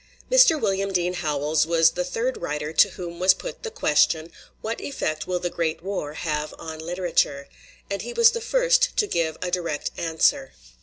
Mr. William Dean Howells was the third writer to whom was put the question, "What effect will the Great War have on literature?" And he was the first to give a direct answer.